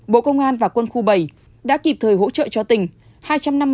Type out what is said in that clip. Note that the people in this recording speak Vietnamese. bộ công an và quân khu bảy đã kịp thời hỗ trợ cho tỉnh